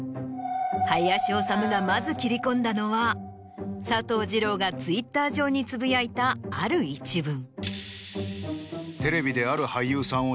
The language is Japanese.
林修がまず切り込んだのは佐藤二朗がＴｗｉｔｔｅｒ上につぶやいたある一文。